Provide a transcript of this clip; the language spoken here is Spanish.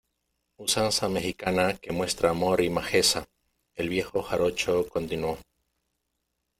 usanza mexicana que muestra amor y majeza, el viejo jarocho continuó: